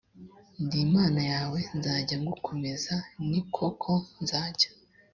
ndi imana yawe nzajya ngukomeza ni koko nzajya